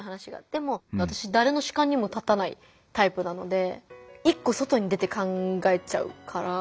でも私誰の主観にも立たないタイプなので一個外に出て考えちゃうから。